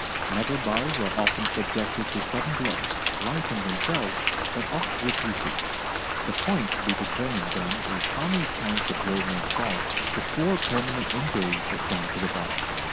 Metal bars are often subjected to sudden blows, light in themselves but oft repeated. The point to be determined then is how many times the blow may fall before permanent injury is done to the bar.